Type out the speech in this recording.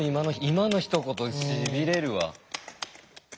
今のひと言しびれるわ。